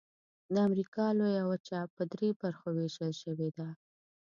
د امریکا لویه وچه په درې برخو ویشل شوې ده.